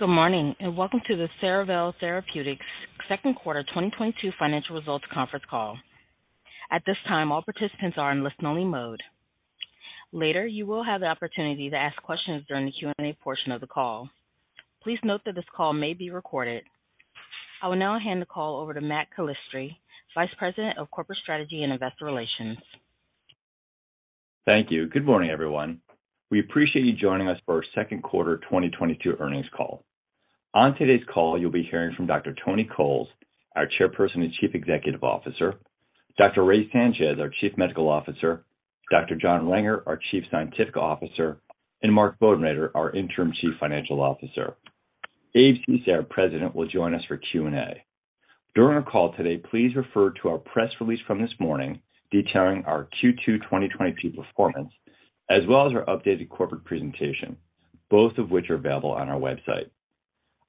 Good morning, and welcome to the Cerevel Therapeutics Second Quarter 2022 Financial Results Conference Call. At this time, all participants are in listen-only mode. Later, you will have the opportunity to ask questions during the Q&A portion of the call. Please note that this call may be recorded. I will now hand the call over to Matthew Calistri, Vice President of Corporate Strategy and Investor Relations. Thank you. Good morning, everyone. We appreciate you joining us for our second quarter 2022 earnings call. On today's call, you'll be hearing from Dr. Tony Coles, our Chairperson and Chief Executive Officer, Dr. Ray Sanchez, our Chief Medical Officer, Dr. John Renger, our Chief Scientific Officer, and Mark Bodenrader, our Interim Chief Financial Officer. Abe Ceesay, our President, will join us for Q&A. During our call today, please refer to our press release from this morning detailing our Q2 2022 performance, as well as our updated corporate presentation, both of which are available on our website.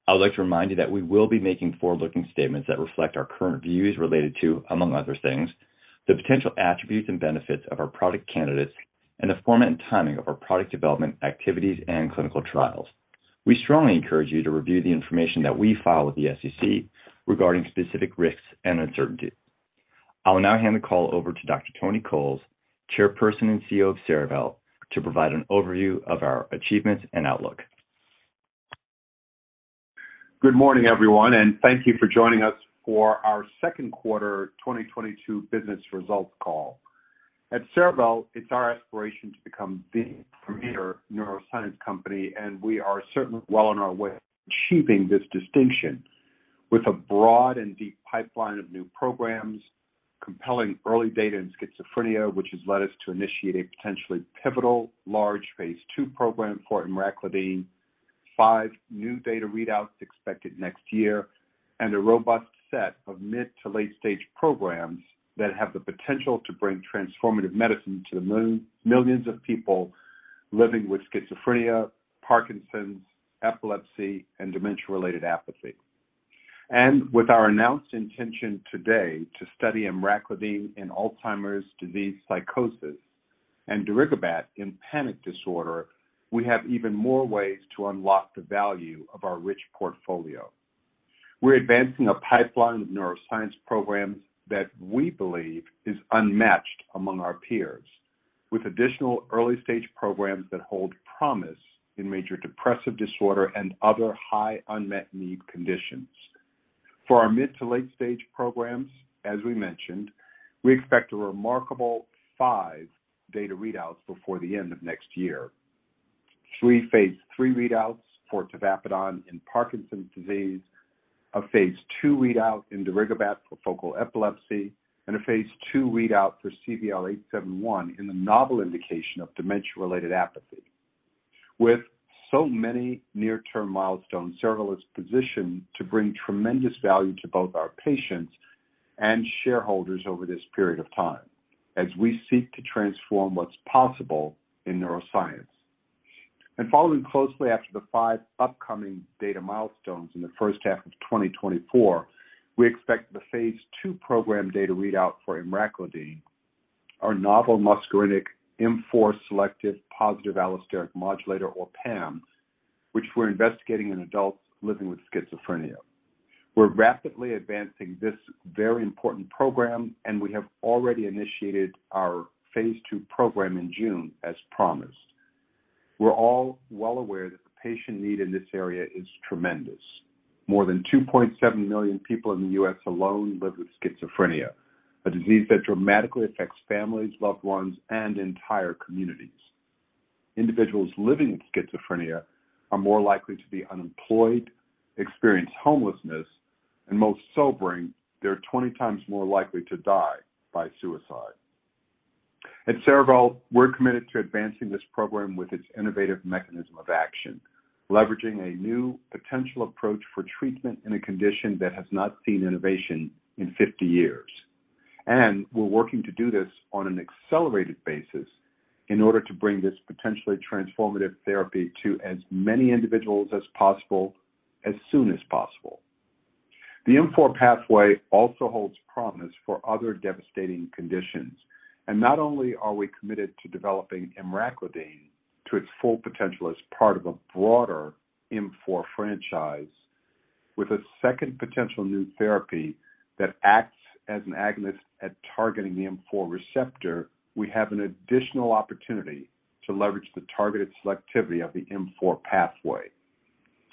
I would like to remind you that we will be making forward-looking statements that reflect our current views related to, among other things, the potential attributes and benefits of our product candidates and the format and timing of our product development activities and clinical trials. We strongly encourage you to review the information that we file with the SEC regarding specific risks and uncertainties. I will now hand the call over to Dr. Tony Coles, Chairperson and CEO of Cerevel, to provide an overview of our achievements and outlook. Good morning, everyone, and thank you for joining us for our second quarter 2022 business results call. At Cerevel, it's our aspiration to become the premier neuroscience company, and we are certainly well on our way to achieving this distinction. With a broad and deep pipeline of new programs, compelling early data in schizophrenia, which has led us to initiate a potentially pivotal large phase 2 program for emraclidine, five new data readouts expected next year, and a robust set of mid to late-stage programs that have the potential to bring transformative medicine to the millions of people living with schizophrenia, Parkinson's, epilepsy, and dementia-related apathy. With our announced intention today to study emraclidine in Alzheimer's disease psychosis and darigabat in panic disorder, we have even more ways to unlock the value of our rich portfolio. We're advancing a pipeline of neuroscience programs that we believe is unmatched among our peers, with additional early-stage programs that hold promise in major depressive disorder and other high unmet need conditions. For our mid to late-stage programs, as we mentioned, we expect a remarkable five data readouts before the end of next year. Three phase 3 readouts for tavapadon in Parkinson's disease, a phase 2 readout in darigabat for focal epilepsy, and a phase 2 readout for CVL-871 in the novel indication of dementia-related apathy. With so many near-term milestones, Cerevel is positioned to bring tremendous value to both our patients and shareholders over this period of time as we seek to transform what's possible in neuroscience. Following closely after the five upcoming data milestones in the first half of 2024, we expect the phase 2 program data readout for emraclidine, our novel muscarinic M4 selective positive allosteric modulator or PAM, which we're investigating in adults living with schizophrenia. We're rapidly advancing this very important program, and we have already initiated our phase 2 program in June as promised. We're all well aware that the patient need in this area is tremendous. More than 2.7 million people in the U.S. alone live with schizophrenia, a disease that dramatically affects families, loved ones, and entire communities. Individuals living with schizophrenia are more likely to be unemployed, experience homelessness, and most sobering, they're 20 times more likely to die by suicide. At Cerevel, we're committed to advancing this program with its innovative mechanism of action, leveraging a new potential approach for treatment in a condition that has not seen innovation in 50 years. We're working to do this on an accelerated basis in order to bring this potentially transformative therapy to as many individuals as possible as soon as possible. The M4 pathway also holds promise for other devastating conditions, and not only are we committed to developing emraclidine to its full potential as part of a broader M4 franchise. With a second potential new therapy that acts as an agonist at targeting the M4 receptor, we have an additional opportunity to leverage the targeted selectivity of the M4 pathway.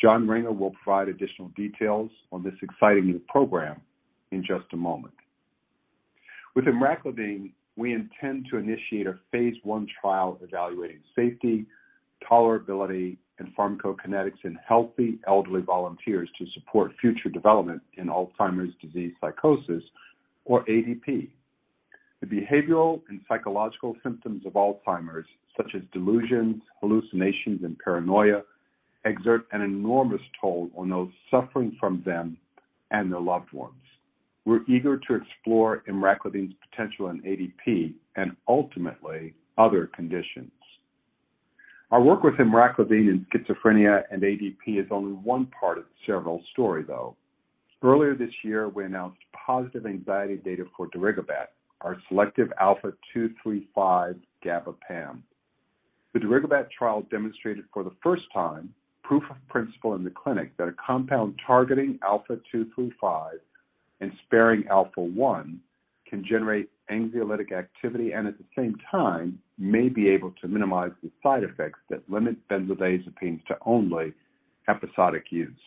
John Renger will provide additional details on this exciting new program in just a moment. With emraclidine, we intend to initiate a phase 1 trial evaluating safety, tolerability, and pharmacokinetics in healthy elderly volunteers to support future development in Alzheimer's disease psychosis or ADP. The behavioral and psychological symptoms of Alzheimer's, such as delusions, hallucinations, and paranoia, exert an enormous toll on those suffering from them and their loved ones. We're eager to explore emraclidine's potential in ADP and ultimately other conditions. Our work with emraclidine in schizophrenia and ADP is only one part of Cerevel's story, though. Earlier this year, we announced positive anxiety data for darigabat, our selective alpha-2/3/5 GABAA PAM. The darigabat trial demonstrated for the first time proof of principle in the clinic that a compound targeting alpha-2/3/5 and sparing alpha-1 can generate anxiolytic activity and at the same time may be able to minimize the side effects that limit benzodiazepines to only episodic use.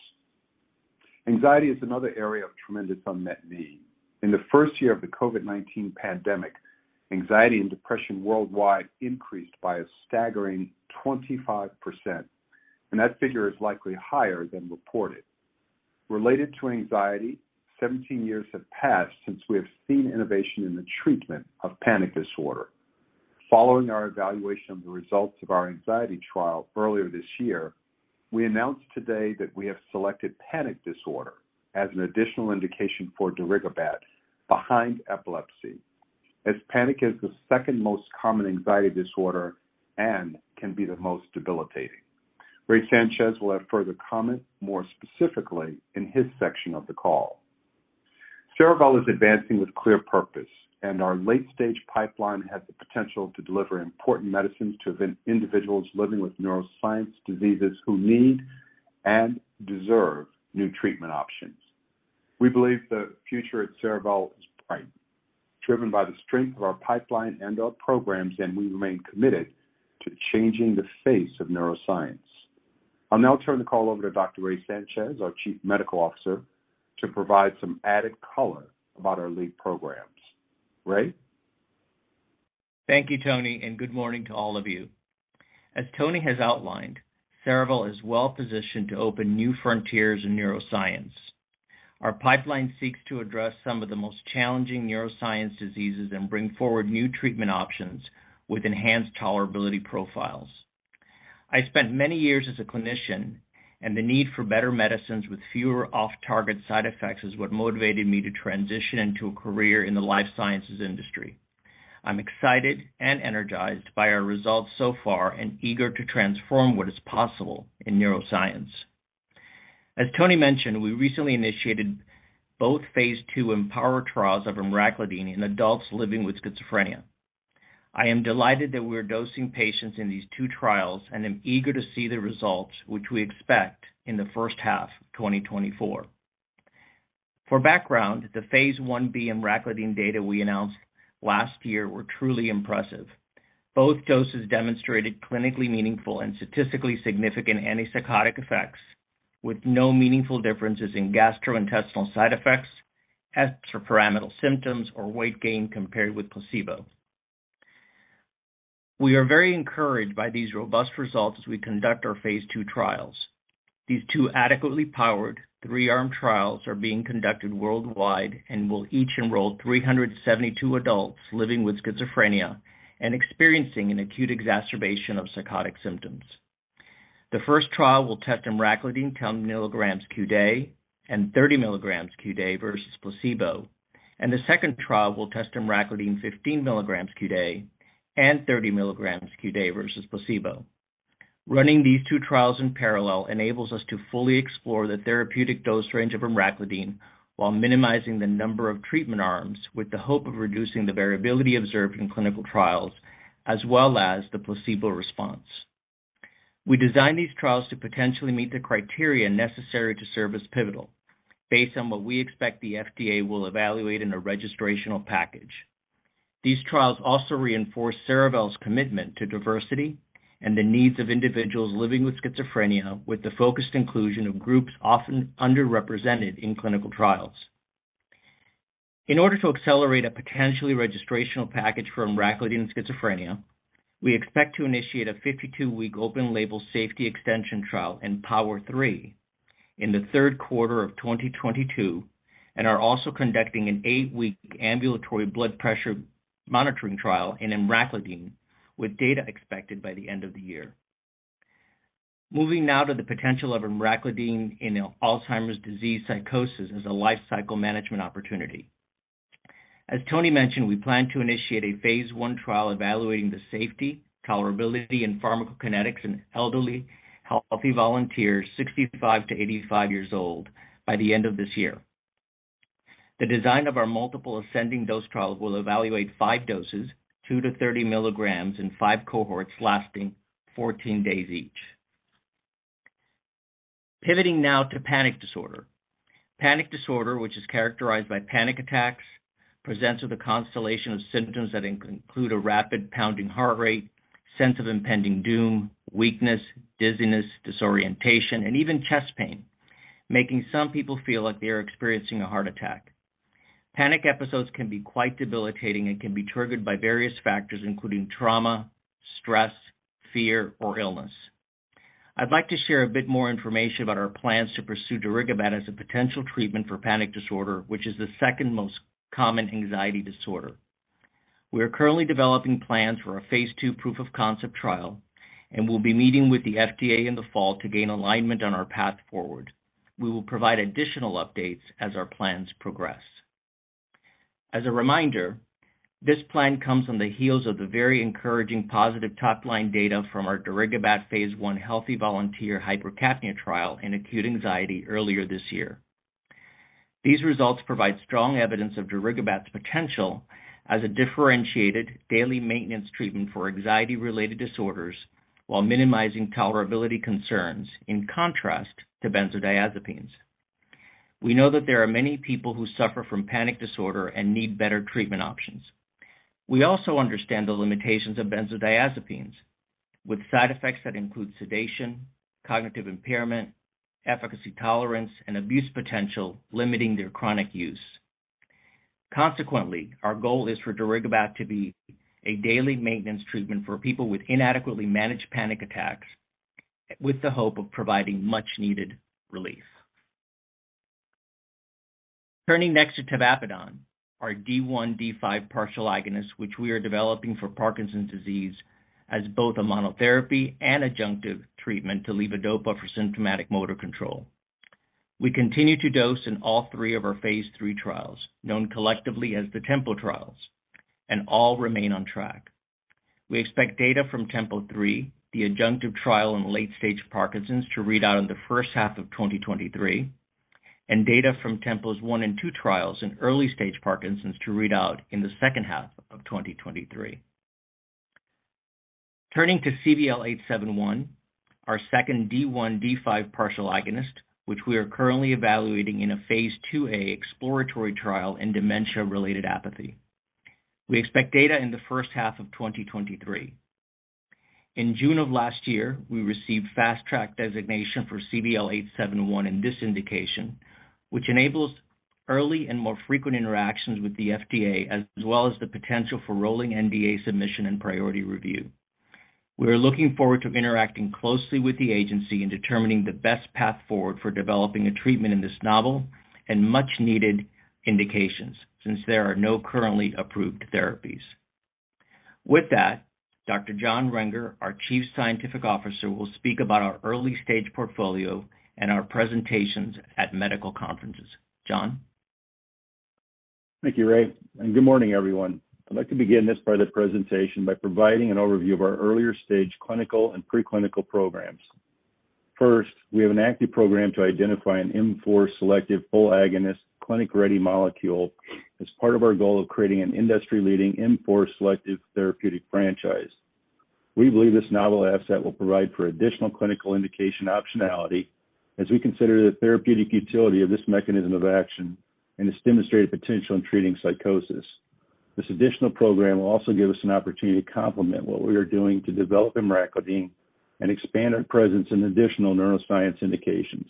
Anxiety is another area of tremendous unmet need. In the first year of the COVID-19 pandemic, anxiety and depression worldwide increased by a staggering 25%, and that figure is likely higher than reported. Related to anxiety, 17 years have passed since we have seen innovation in the treatment of panic disorder. Following our evaluation of the results of our anxiety trial earlier this year, we announced today that we have selected panic disorder as an additional indication for darigabat behind epilepsy, as panic is the second most common anxiety disorder and can be the most debilitating. Ray Sanchez will have further comment more specifically in his section of the call. Cerevel is advancing with clear purpose, and our late-stage pipeline has the potential to deliver important medicines to the individuals living with neuroscience diseases who need and deserve new treatment options. We believe the future at Cerevel is bright, driven by the strength of our pipeline and our programs, and we remain committed to changing the face of neuroscience. I'll now turn the call over to Dr. Ray Sanchez, our Chief Medical Officer, to provide some added color about our lead programs. Ray? Thank you, Tony, and good morning to all of you. As Tony has outlined, Cerevel is well-positioned to open new frontiers in neuroscience. Our pipeline seeks to address some of the most challenging neuroscience diseases and bring forward new treatment options with enhanced tolerability profiles. I spent many years as a clinician, and the need for better medicines with fewer off-target side effects is what motivated me to transition into a career in the life sciences industry. I'm excited and energized by our results so far and eager to transform what is possible in neuroscience. As Tony mentioned, we recently initiated both phase 2 EMPOWER trials of emraclidine in adults living with schizophrenia. I am delighted that we are dosing patients in these two trials and am eager to see the results which we expect in the first half of 2024. For background, the phase 1b emraclidine data we announced last year were truly impressive. Both doses demonstrated clinically meaningful and statistically significant antipsychotic effects with no meaningful differences in gastrointestinal side effects, extrapyramidal symptoms, or weight gain compared with placebo. We are very encouraged by these robust results as we conduct our phase 2 trials. These two adequately powered three-arm trials are being conducted worldwide and will each enroll 372 adults living with schizophrenia and experiencing an acute exacerbation of psychotic symptoms. The first trial will test emraclidine 10 milligrams qday and 30 milligrams qday versus placebo, and the second trial will test emraclidine 15 milligrams qday and 30 milligrams qday versus placebo. Running these two trials in parallel enables us to fully explore the therapeutic dose range of emraclidine while minimizing the number of treatment arms with the hope of reducing the variability observed in clinical trials as well as the placebo response. We designed these trials to potentially meet the criteria necessary to serve as pivotal based on what we expect the FDA will evaluate in a registrational package. These trials also reinforce Cerevel's commitment to diversity and the needs of individuals living with schizophrenia, with the focused inclusion of groups often underrepresented in clinical trials. In order to accelerate a potentially registrational package for emraclidine schizophrenia, we expect to initiate a 52-week open label safety extension trial in EMPOWER-3 in the third quarter of 2022, and are also conducting an 8-week ambulatory blood pressure monitoring trial in emraclidine with data expected by the end of the year. Moving now to the potential of emraclidine in Alzheimer's disease psychosis as a lifecycle management opportunity. As Tony mentioned, we plan to initiate a phase 1 trial evaluating the safety, tolerability, and pharmacokinetics in elderly healthy volunteers 65-85 years old by the end of this year. The design of our multiple ascending dose trials will evaluate five doses, 2-30 milligrams in five cohorts lasting 14 days each. Pivoting now to panic disorder. Panic disorder, which is characterized by panic attacks, presents with a constellation of symptoms that include a rapid pounding heart rate, sense of impending doom, weakness, dizziness, disorientation, and even chest pain, making some people feel like they are experiencing a heart attack. Panic episodes can be quite debilitating and can be triggered by various factors, including trauma, stress, fear, or illness. I'd like to share a bit more information about our plans to pursue darigabat as a potential treatment for panic disorder, which is the second most common anxiety disorder. We are currently developing plans for a phase 2 proof of concept trial, and we'll be meeting with the FDA in the fall to gain alignment on our path forward. We will provide additional updates as our plans progress. As a reminder, this plan comes on the heels of the very encouraging positive top-line data from our darigabat phase 1 healthy volunteer hypercapnia trial in acute anxiety earlier this year. These results provide strong evidence of darigabat's potential as a differentiated daily maintenance treatment for anxiety-related disorders while minimizing tolerability concerns, in contrast to benzodiazepines. We know that there are many people who suffer from panic disorder and need better treatment options. We also understand the limitations of benzodiazepines, with side effects that include sedation, cognitive impairment, efficacy tolerance, and abuse potential limiting their chronic use. Consequently, our goal is for darigabat to be a daily maintenance treatment for people with inadequately managed panic attacks, with the hope of providing much needed relief. Turning next to tavapadon, our D1/D5 partial agonist, which we are developing for Parkinson's disease as both a monotherapy and adjunctive treatment to levodopa for symptomatic motor control. We continue to dose in all three of our phase 3 trials, known collectively as the TEMPO trials, and all remain on track. We expect data from TEMPO-3, the adjunctive trial in late-stage Parkinson's, to read out in the first half of 2023, and data from TEMPO-1 and TEMPO-2 trials in early-stage Parkinson's to read out in the second half of 2023. Turning to CVL-871, our second D1/D5 partial agonist, which we are currently evaluating in a phase 2a exploratory trial in dementia-related apathy. We expect data in the first half of 2023. In June of last year, we received Fast Track designation for CVL-871 in this indication, which enables early and more frequent interactions with the FDA, as well as the potential for rolling NDA submission and priority review. We are looking forward to interacting closely with the agency in determining the best path forward for developing a treatment in this novel and much-needed indications since there are no currently approved therapies. With that, Dr. John Renger, our Chief Scientific Officer, will speak about our early-stage portfolio and our presentations at medical conferences. John? Thank you, Ray, and good morning, everyone. I'd like to begin this part of the presentation by providing an overview of our earlier stage clinical and pre-clinical programs. First, we have an active program to identify an M4 selective full agonist clinic-ready molecule as part of our goal of creating an industry-leading M4 selective therapeutic franchise. We believe this novel asset will provide for additional clinical indication optionality as we consider the therapeutic utility of this mechanism of action and its demonstrated potential in treating psychosis. This additional program will also give us an opportunity to complement what we are doing to develop emraclidine and expand our presence in additional neuroscience indications.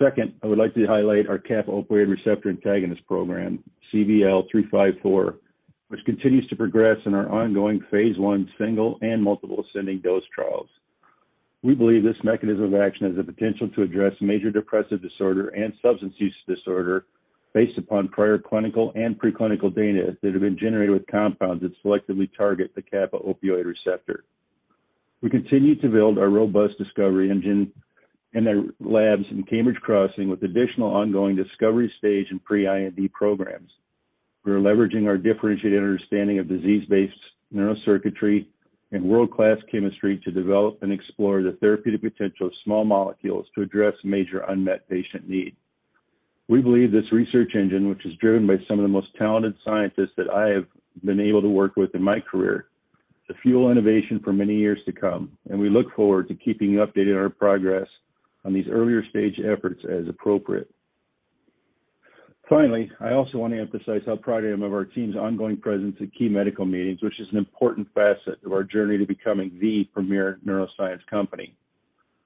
Second, I would like to highlight our kappa-opioid receptor antagonist program, CVL-354, which continues to progress in our ongoing phase 1 single and multiple ascending dose trials. We believe this mechanism of action has the potential to address major depressive disorder and substance use disorder based upon prior clinical and pre-clinical data that have been generated with compounds that selectively target the kappa-opioid receptor. We continue to build our robust discovery engine in our labs in Cambridge Crossing with additional ongoing discovery stage and pre-IND programs. We are leveraging our differentiated understanding of disease-based neurocircuitry and world-class chemistry to develop and explore the therapeutic potential of small molecules to address major unmet patient need. We believe this research engine, which is driven by some of the most talented scientists that I have been able to work with in my career, to fuel innovation for many years to come, and we look forward to keeping you updated on our progress on these earlier stage efforts as appropriate. Finally, I also want to emphasize how proud I am of our team's ongoing presence at key medical meetings, which is an important facet of our journey to becoming the premier neuroscience company.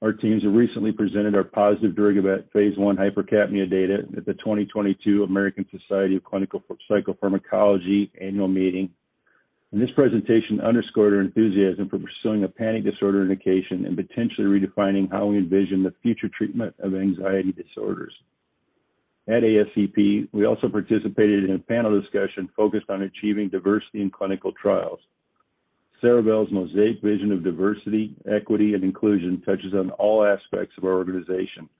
Our teams have recently presented our positive darigabat phase 1 hypercapnia data at the 2022 American Society of Clinical Psychopharmacology Annual Meeting, and this presentation underscored our enthusiasm for pursuing a panic disorder indication and potentially redefining how we envision the future treatment of anxiety disorders. At ASCP, we also participated in a panel discussion focused on achieving diversity in clinical trials. Cerevel's mosaic vision of diversity, equity, and inclusion touches on all aspects of our organization,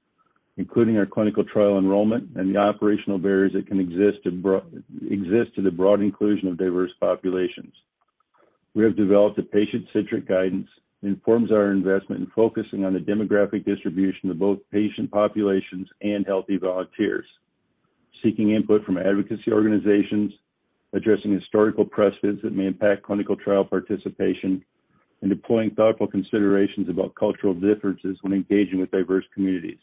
including our clinical trial enrollment and the operational barriers that can exist to the broad inclusion of diverse populations. We have developed a patient-centric guidance that informs our investment in focusing on the demographic distribution of both patient populations and healthy volunteers, seeking input from advocacy organizations, addressing historical precedents that may impact clinical trial participation, and deploying thoughtful considerations about cultural differences when engaging with diverse communities.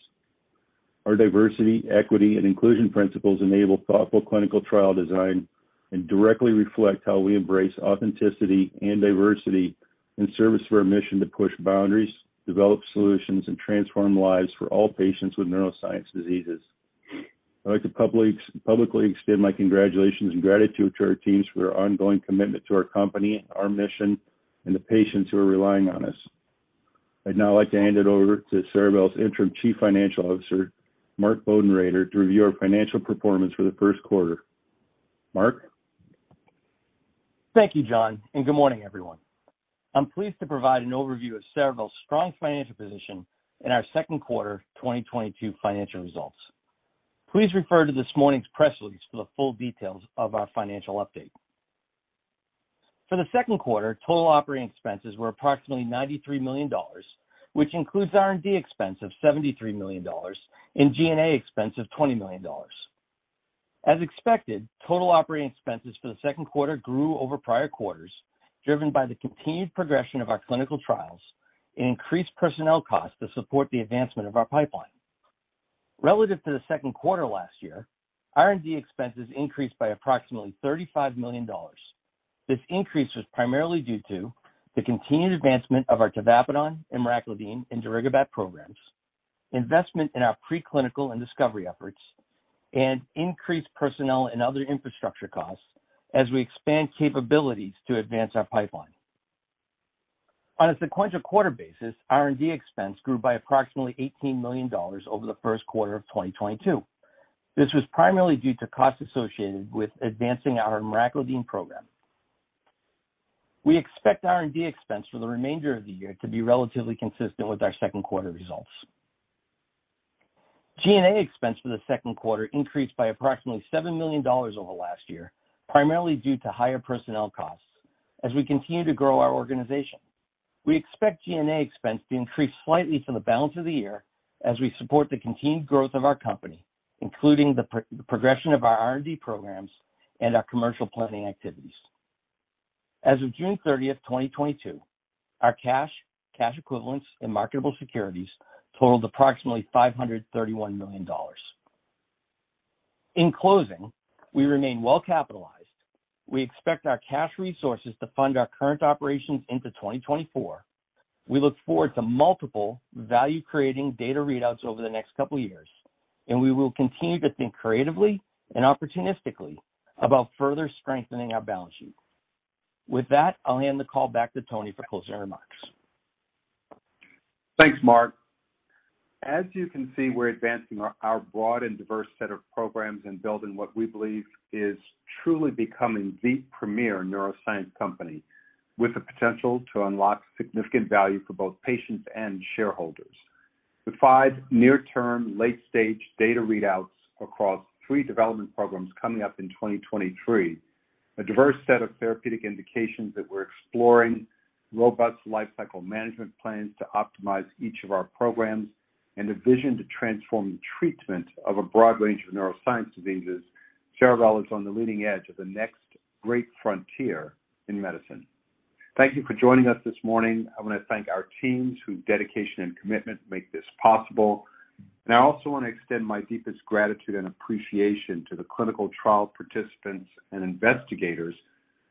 Our diversity, equity, and inclusion principles enable thoughtful clinical trial design and directly reflect how we embrace authenticity and diversity in service to our mission to push boundaries, develop solutions, and transform lives for all patients with neuroscience diseases. I'd like to publicly extend my congratulations and gratitude to our teams for their ongoing commitment to our company, our mission, and the patients who are relying on us. I'd now like to hand it over to Cerevel's interim chief financial officer, Mark Bodenrader, to review our financial performance for the first quarter. Mark? Thank you, John, and good morning, everyone. I'm pleased to provide an overview of Cerevel's strong financial position in our second quarter 2022 financial results. Please refer to this morning's press release for the full details of our financial update. For the second quarter, total operating expenses were approximately $93 million, which includes R&D expense of $73 million and G&A expense of $20 million. As expected, total operating expenses for the second quarter grew over prior quarters, driven by the continued progression of our clinical trials and increased personnel costs to support the advancement of our pipeline. Relative to the second quarter last year, R&D expenses increased by approximately $35 million. This increase was primarily due to the continued advancement of our tavapadon, emraclidine, and darigabat programs, investment in our preclinical and discovery efforts, and increased personnel and other infrastructure costs as we expand capabilities to advance our pipeline. On a sequential quarter basis, R&D expense grew by approximately $18 million over the first quarter of 2022. This was primarily due to costs associated with advancing our emraclidine program. We expect R&D expense for the remainder of the year to be relatively consistent with our second quarter results. G&A expense for the second quarter increased by approximately $7 million over last year, primarily due to higher personnel costs as we continue to grow our organization. We expect G&A expense to increase slightly for the balance of the year as we support the continued growth of our company, including the progression of our R&D programs and our commercial planning activities. As of June 30, 2022, our cash equivalents, and marketable securities totaled approximately $531 million. In closing, we remain well capitalized. We expect our cash resources to fund our current operations into 2024. We look forward to multiple value-creating data readouts over the next couple of years, and we will continue to think creatively and opportunistically about further strengthening our balance sheet. With that, I'll hand the call back to Tony for closing remarks. Thanks, Mark. As you can see, we're advancing our broad and diverse set of programs and building what we believe is truly becoming the premier neuroscience company with the potential to unlock significant value for both patients and shareholders. With five near-term, late-stage data readouts across three development programs coming up in 2023, a diverse set of therapeutic indications that we're exploring, robust lifecycle management plans to optimize each of our programs, and a vision to transform the treatment of a broad range of neuroscience diseases, Cerevel is on the leading edge of the next great frontier in medicine. Thank you for joining us this morning. I want to thank our teams whose dedication and commitment make this possible. I also want to extend my deepest gratitude and appreciation to the clinical trial participants and investigators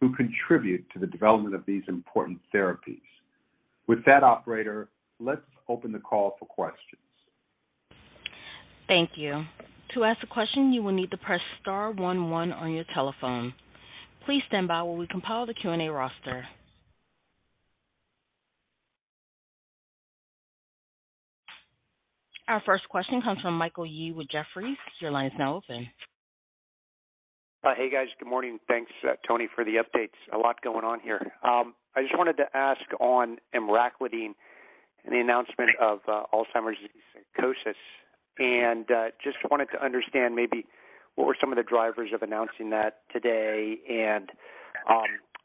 who contribute to the development of these important therapies. With that, operator, let's open the call for questions. Thank you. To ask a question, you will need to press star one one on your telephone. Please stand by while we compile the Q&A roster. Our first question comes from Michael Yee with Jefferies. Your line is now open. Hey, guys. Good morning. Thanks, Tony, for the updates. A lot going on here. I just wanted to ask on emraclidine and the announcement of Alzheimer's disease psychosis. Just wanted to understand maybe what were some of the drivers of announcing that today.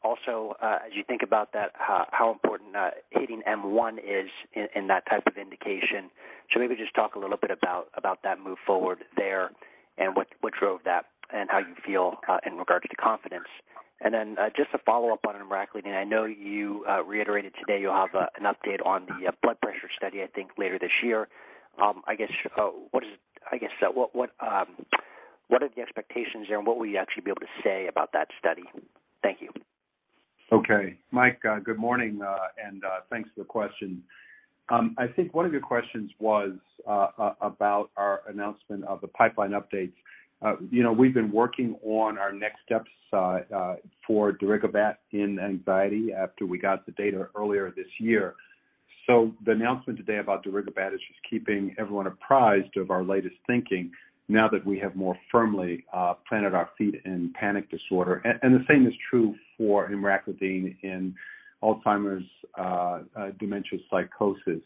Also, as you think about that, how important hitting M1 is in that type of indication. Maybe just talk a little bit about that move forward there and what drove that and how you feel in regards to confidence. Then, just to follow up on emraclidine, I know you reiterated today you'll have an update on the blood pressure study, I think, later this year. I guess, what are the expectations there, and what will you actually be able to say about that study? Thank you. Okay. Mike, good morning, and thanks for the question. I think one of your questions was about our announcement of the pipeline updates. You know, we've been working on our next steps for darigabat in anxiety after we got the data earlier this year. The announcement today about darigabat is just keeping everyone apprised of our latest thinking now that we have more firmly planted our feet in panic disorder. The same is true for emraclidine in Alzheimer's dementia psychosis.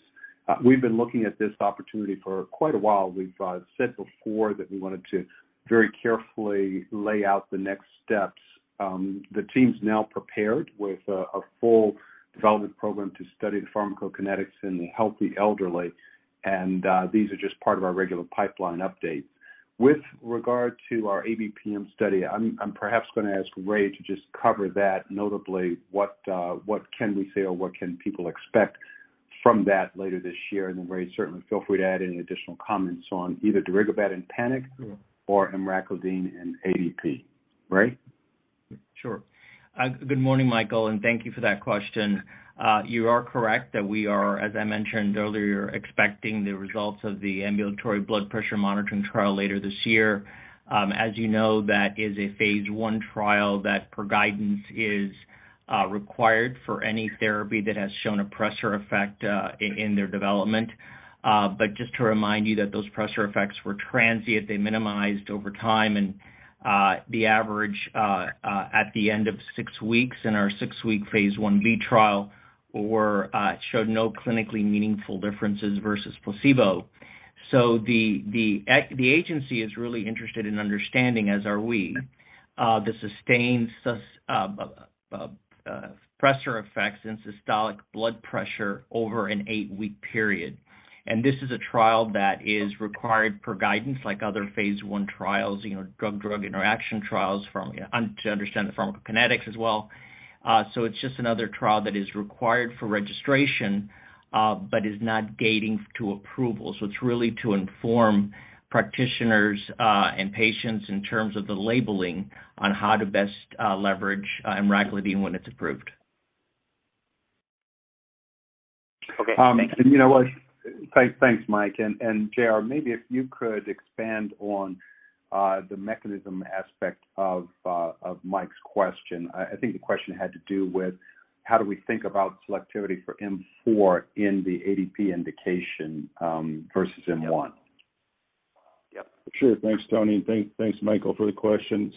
We've been looking at this opportunity for quite a while. We've said before that we wanted to very carefully lay out the next steps. The team's now prepared with a full development program to study the pharmacokinetics in the healthy elderly, and these are just part of our regular pipeline updates. With regard to our ABPM study, I'm perhaps gonna ask Ray to just cover that, notably what can we say or what can people expect from that later this year. Then, Ray, certainly feel free to add any additional comments on either darigabat and panic or emraclidine and ADP. Ray? Sure. Good morning, Michael, and thank you for that question. You are correct that we are, as I mentioned earlier, expecting the results of the ambulatory blood pressure monitoring trial later this year. As you know, that is a phase 1 trial that, per guidance, is required for any therapy that has shown a pressure effect in their development. Just to remind you that those pressure effects were transient. They minimized over time and the average at the end of six weeks in our six-week phase 1b trial showed no clinically meaningful differences versus placebo. The agency is really interested in understanding, as are we, the sustained pressure effects in systolic blood pressure over an eight-week period. This is a trial that is required for guidance like other phase 1 trials, drug-drug interaction trials to understand the pharmacokinetics as well. It's just another trial that is required for registration, but is not gating to approval. It's really to inform practitioners and patients in terms of the labeling on how to best leverage emraclidine when it's approved. Okay. Thanks. You know what? Thanks, Mike. J.R., maybe if you could expand on the mechanism aspect of Mike's question. I think the question had to do with how do we think about selectivity for M4 in the ADP indication versus M1? Yep. Yep. Sure. Thanks, Tony. Thanks, Michael, for the question.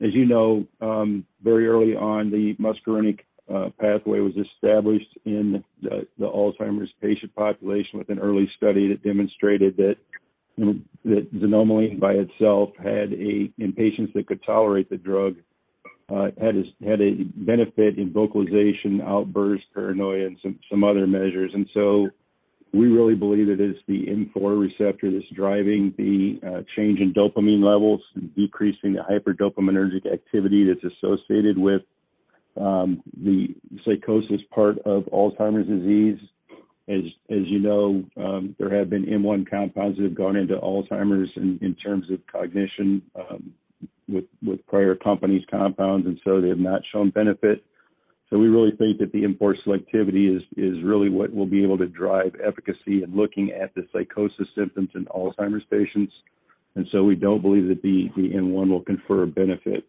As you know, very early on, the muscarinic pathway was established in the Alzheimer's patient population with an early study that demonstrated that, you know, that xanomeline by itself, in patients that could tolerate the drug, had a benefit in vocalization, outburst, paranoia, and some other measures. We really believe that it's the M4 receptor that's driving the change in dopamine levels and decreasing the hyperdopaminergic activity that's associated with the psychosis part of Alzheimer's disease. As you know, there have been M1 compounds that have gone into Alzheimer's in terms of cognition with prior companies' compounds, and so they have not shown benefit. We really think that the M4 selectivity is really what will be able to drive efficacy in looking at the psychosis symptoms in Alzheimer's patients. We don't believe that the M1 will confer benefit.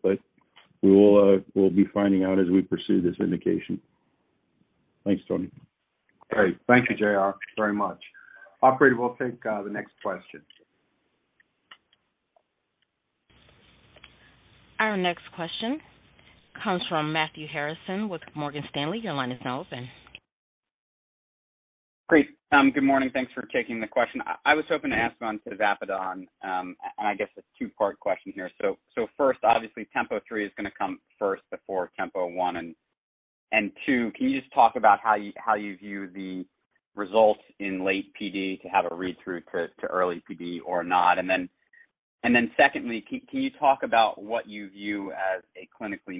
We'll be finding out as we pursue this indication. Thanks, Tony. Great. Thank you, J.R., very much. Operator, we'll take the next question. Our next question comes from Matthew Harrison with Morgan Stanley. Your line is now open. Great. Good morning. Thanks for taking the question. I was hoping to ask on tavapadon, and I guess a two-part question here. First, obviously, TEMPO-3 is gonna come first before TEMPO-1. Two, can you just talk about how you view the results in late PD to have a read-through to early PD or not? Secondly, can you talk about what you view as a clinically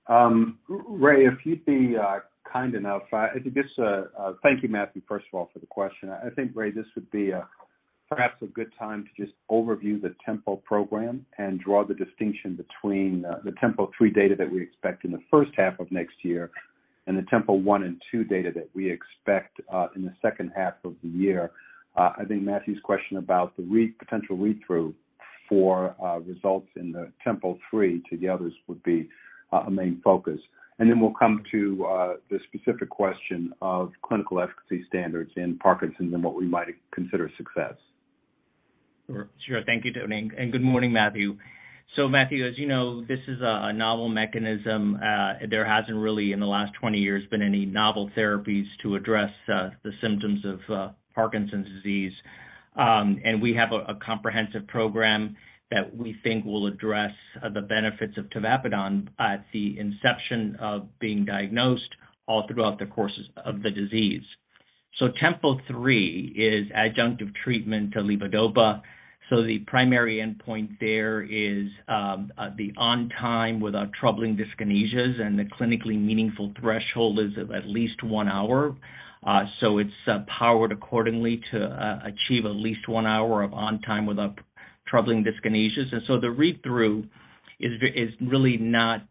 meaningful result in terms of separation in those studies? Thanks. Thank you, Matthew, first of all, for the question. I think, Ray, this would be perhaps a good time to just overview the TEMPO program and draw the distinction between the TEMPO-3 data that we expect in the first half of next year and the TEMPO-1 and 2 data that we expect in the second half of the year. I think Matthew's question about the potential read-through for results in the TEMPO-3 to the others would be a main focus. We'll come to the specific question of clinical efficacy standards in Parkinson's and what we might consider success. Sure. Thank you, Tony, and good morning, Matthew. Matthew, as you know, this is a novel mechanism. There hasn't really, in the last 20 years, been any novel therapies to address the symptoms of Parkinson's disease. We have a comprehensive program that we think will address the benefits of tavapadon at the inception of being diagnosed all throughout the courses of the disease. TEMPO-3 is adjunctive treatment to levodopa, so the primary endpoint there is the on time without troubling dyskinesias, and the clinically meaningful threshold is at least one hour. It's powered accordingly to achieve at least one hour of on time without troubling dyskinesias. The read-through is really not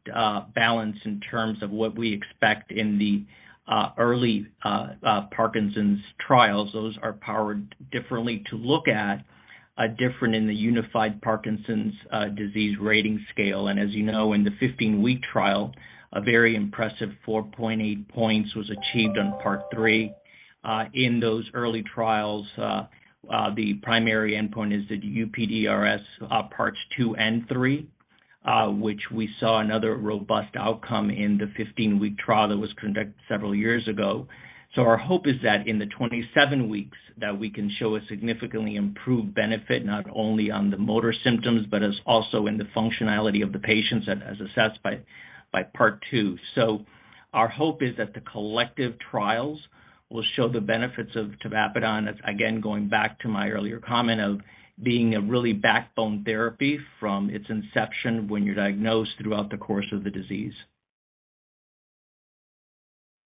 balanced in terms of what we expect in the early Parkinson's trials. Those are powered differently to look at different in the Unified Parkinson's Disease Rating Scale. As you know, in the 15-week trial, a very impressive 4.8 points was achieved on Part 3. In those early trials, the primary endpoint is the UPDRS Parts 2 and 3, which we saw another robust outcome in the 15-week trial that was conducted several years ago. Our hope is that in the 27 weeks, that we can show a significantly improved benefit, not only on the motor symptoms, but also in the functionality of the patients as assessed by Part 2. Our hope is that the collective trials will show the benefits of tavapadon, as again, going back to my earlier comment of being a really backbone therapy from its inception when you're diagnosed throughout the course of the disease.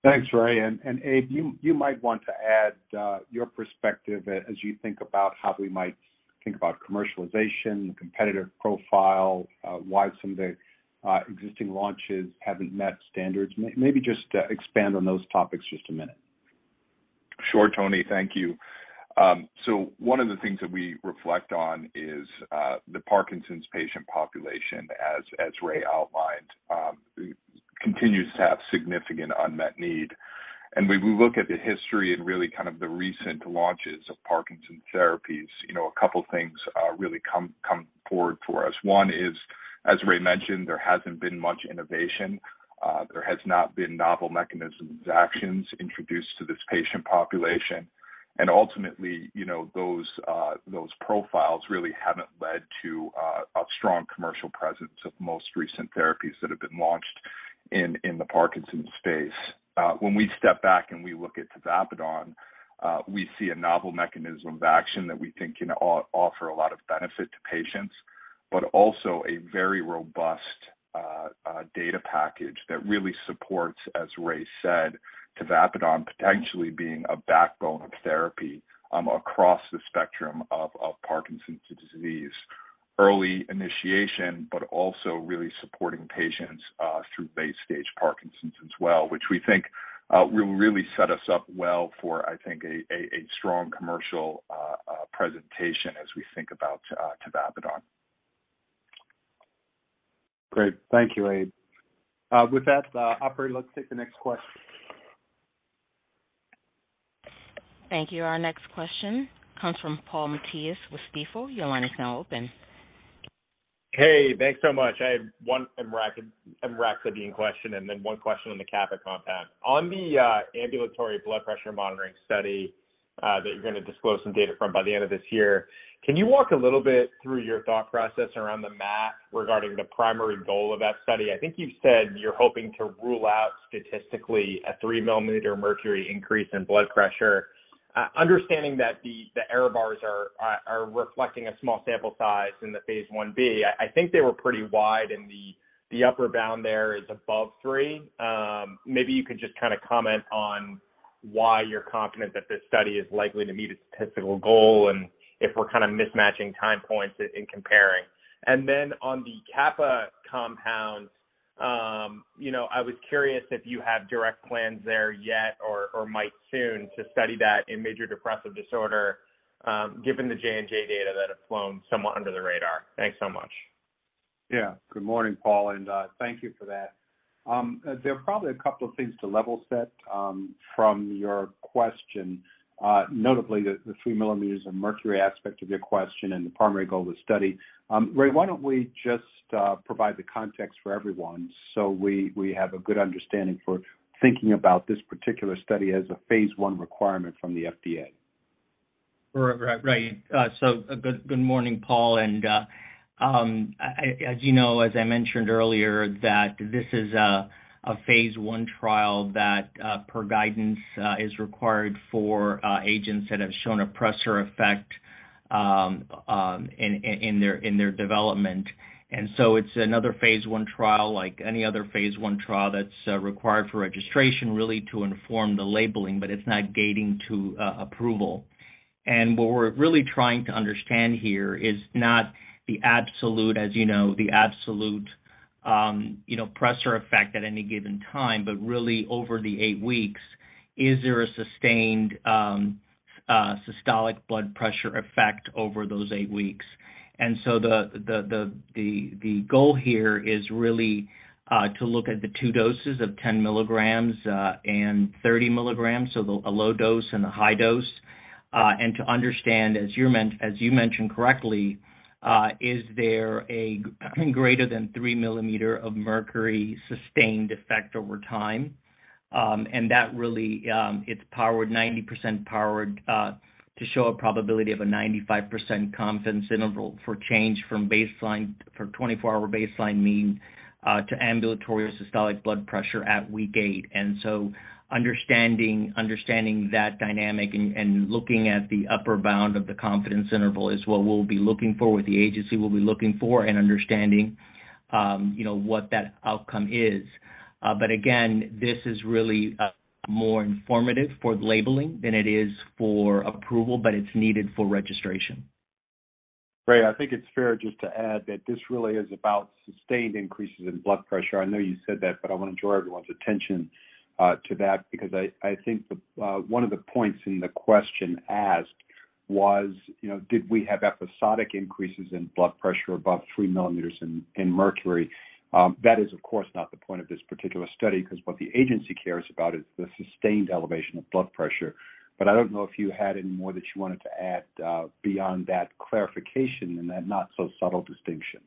Thanks, Ray. Abe, you might want to add your perspective as you think about how we might think about commercialization, the competitive profile, why some of the existing launches haven't met standards. Maybe just expand on those topics just a minute. Sure, Tony. Thank you. One of the things that we reflect on is the Parkinson's patient population, as Ray outlined, continues to have significant unmet need. When we look at the history and really kind of the recent launches of Parkinson's therapies, you know, a couple things really come forward for us. One is, as Ray mentioned, there hasn't been much innovation. There has not been novel mechanisms actions introduced to this patient population. Ultimately, you know, those profiles really haven't led to a strong commercial presence of most recent therapies that have been launched in the Parkinson's space. When we step back and we look at tavapadon, we see a novel mechanism of action that we think can offer a lot of benefit to patients, but also a very robust data package that really supports, as Ray said, tavapadon potentially being a backbone of therapy, across the spectrum of Parkinson's disease. Early initiation, but also really supporting patients through late-stage Parkinson's as well, which we think will really set us up well for, I think, a strong commercial presentation as we think about tavapadon. Great. Thank you, Abe. With that, operator, let's take the next question. Thank you. Our next question comes from Paul Matteis with Stifel. Your line is now open. Hey, thanks so much. I have one emraclidine question and then one question on the kappa compound. On the ambulatory blood pressure monitoring study that you're gonna disclose some data from by the end of this year, can you walk a little bit through your thought process around the math regarding the primary goal of that study? I think you've said you're hoping to rule out statistically a 3 mmHg increase in blood pressure. Understanding that the error bars are reflecting a small sample size in the phase 1b, I think they were pretty wide, and the upper bound there is above three. Maybe you could just kinda comment on why you're confident that this study is likely to meet its statistical goal and if we're kinda mismatching time points in comparing. On the kappa compound, you know, I was curious if you have direct plans there yet or might soon to study that in major depressive disorder, given the J&J data that have flown somewhat under the radar. Thanks so much. Yeah. Good morning, Paul, and thank you for that. There are probably a couple of things to level set from your question, notably the three millimeters of mercury aspect of your question and the primary goal of the study. Ray, why don't we just provide the context for everyone so we have a good understanding for thinking about this particular study as a phase one requirement from the FDA. Good morning, Paul. As you know, as I mentioned earlier, that this is a phase one trial that per guidance is required for agents that have shown a pressor effect in their development. It's another phase one trial like any other phase one trial that's required for registration really to inform the labeling, but it's not gating to approval. What we're really trying to understand here is not the absolute, as you know, the absolute pressor effect at any given time, but really over the 8 weeks, is there a sustained systolic blood pressure effect over those 8 weeks? The goal here is really to look at the two doses of 10 milligrams and 30 milligrams, so a low dose and a high dose, and to understand, as you mentioned correctly, is there a greater than three millimeter of mercury sustained effect over time? That really, it's powered 90% to show a probability of a 95% confidence interval for change from baseline, for 24-hour baseline mean, to ambulatory systolic blood pressure at week eight. Understanding that dynamic and looking at the upper bound of the confidence interval is what we'll be looking for, what the agency will be looking for and understanding, you know, what that outcome is. Again, this is really more informative for labeling than it is for approval, but it's needed for registration. Ray, I think it's fair just to add that this really is about sustained increases in blood pressure. I know you said that, but I wanna draw everyone's attention to that because I think one of the points in the question asked was, you know, did we have episodic increases in blood pressure above three millimeters of mercury? That is, of course, not the point of this particular study 'cause what the agency cares about is the sustained elevation of blood pressure. I don't know if you had any more that you wanted to add beyond that clarification and that not so subtle distinction.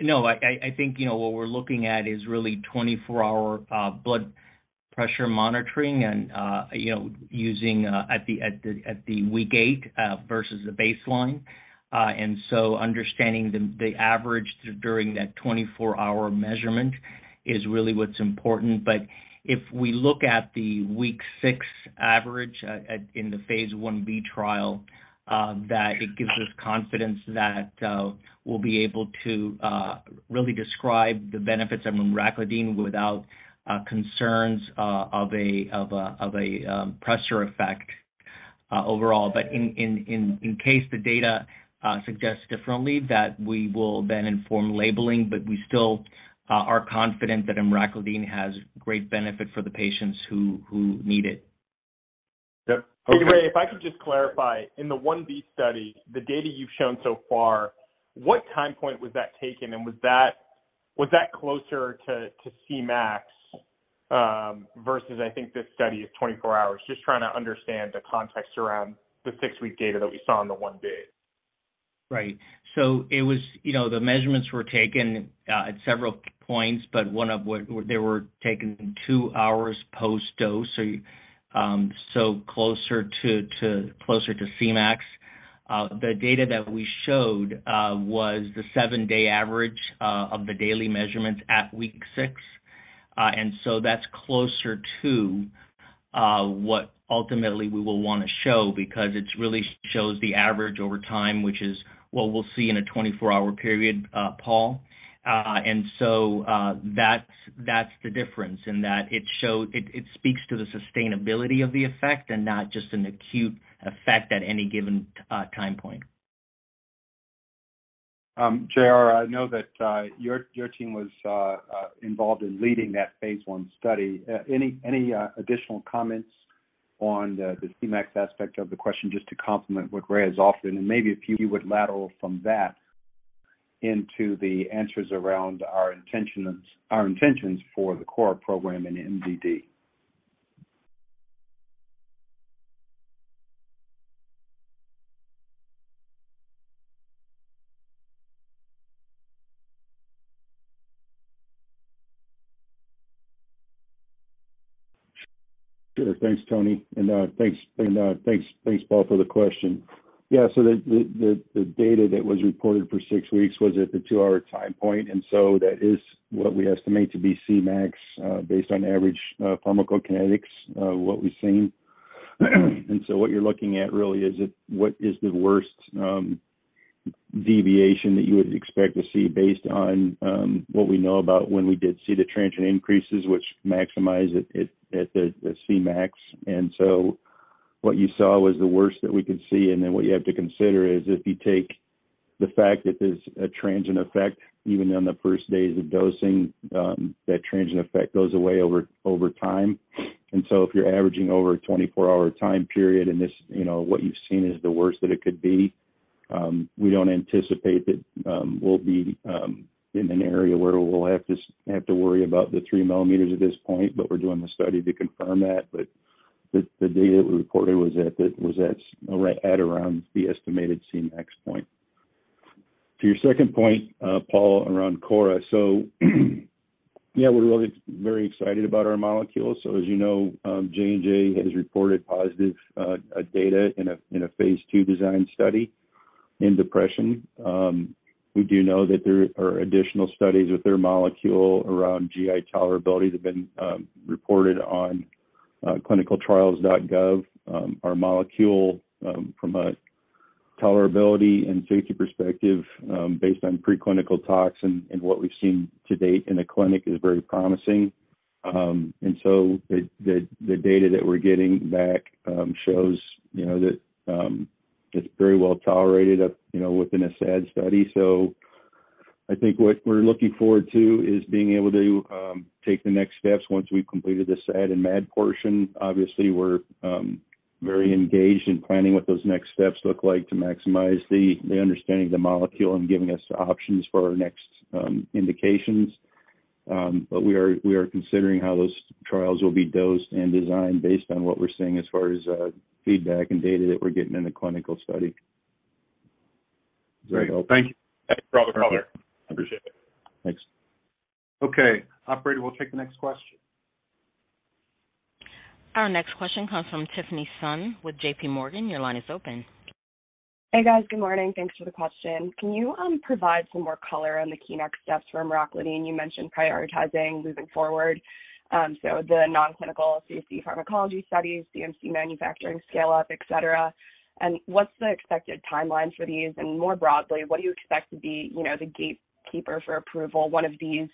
No. I think, you know, what we're looking at is really 24-hour blood pressure monitoring and, you know, using at the week eight versus the baseline. Understanding the average during that 24-hour measurement is really what's important. If we look at the week six average in the phase 1b trial, that gives us confidence that we'll be able to really describe the benefits of emraclidine without concerns of a pressor effect overall. In case the data suggests differently that we will then inform labeling, we still are confident that emraclidine has great benefit for the patients who need it. Yep. Okay. Ray, if I could just clarify, in the 1b study, the data you've shown so far, what time point was that taken? Was that closer to Cmax versus I think this study is 24 hours. Just trying to understand the context around the six-week data that we saw in the 1b. Right. It was, you know, the measurements were taken at several points, but they were taken two hours post-dose. It was closer to Cmax. The data that we showed was the seven-day average of the daily measurements at week six. That's closer to what ultimately we will wanna show because it really shows the average over time, which is what we'll see in a 24-hour period, Paul. That's the difference in that it speaks to the sustainability of the effect and not just an acute effect at any given time point. J.R., I know that your team was involved in leading that phase 1 study. Any additional comments on the Cmax aspect of the question, just to complement what Ray has offered, and maybe if you would elaborate from that into the answers around our intentions for the KOR program in MDD. Sure. Thanks, Tony, and thanks, Paul, for the question. Yeah, the data that was reported for six weeks was at the two-hour time point, and that is what we estimate to be Cmax based on average pharmacokinetics what we've seen. What you're looking at really is what is the worst deviation that you would expect to see based on what we know about when we did see the transient increases which maximize it at the Cmax. What you saw was the worst that we could see, and then what you have to consider is if you take the fact that there's a transient effect, even on the first days of dosing, that transient effect goes away over time. If you're averaging over a 24-hour time period, and this, you know, what you've seen is the worst that it could be, we don't anticipate that we'll be in an area where we'll have to have to worry about the three millimeters at this point, but we're doing the study to confirm that. The data that we reported was at around the estimated Cmax point. To your second point, Paul, around KOR. Yeah, we're really very excited about our molecules. As you know, J&J has reported positive data in a phase 2 design study in depression. We do know that there are additional studies with their molecule around GI tolerability that have been reported on ClinicalTrials.gov. Our molecule, from a tolerability and safety perspective, based on preclinical talks and what we've seen to date in the clinic is very promising. The data that we're getting back shows, you know, that it's very well tolerated, you know, within a SAD study. I think what we're looking forward to is being able to take the next steps once we've completed the SAD and MAD portion. Obviously, we're very engaged in planning what those next steps look like to maximize the understanding of the molecule and giving us options for our next indications. We are considering how those trials will be dosed and designed based on what we're seeing as far as feedback and data that we're getting in the clinical study. Great. Well, thank you. Thanks for all the color. Appreciate it. Thanks. Okay. Operator, we'll take the next question. Our next question comes from Tiffany Sun with JPMorgan. Your line is open. Hey, guys. Good morning. Thanks for the question. Can you provide some more color on the key next steps for emraclidine? You mentioned prioritizing moving forward, so the non-clinical tox pharmacology studies, CMC manufacturing scale-up, et cetera. What's the expected timeline for these? More broadly, what do you expect to be, you know, the gatekeeper for approval, one of these